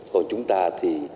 còn chúng ta thì